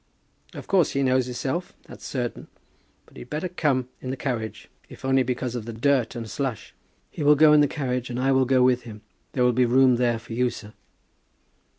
"Of course he knows hisself, that's certain. But he'd better come in the carriage, if only because of the dirt and slush." "He will go in the carriage; and I will go with him. There will be room there for you, sir."